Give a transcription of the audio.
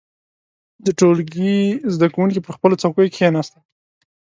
• د ټولګي زده کوونکي پر خپلو څوکيو کښېناستل.